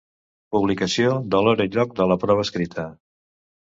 Publicació de l'hora i lloc de la prova escrita.